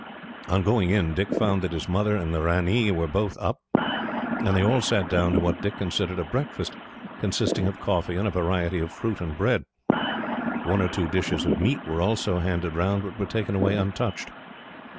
On going in, Dick found that his mother and the ranee were both up, and they all sat down to what Dick considered a breakfast, consisting of coffee and a variety of fruit and bread. One or two dishes of meat were also handed round, but were taken away untouched.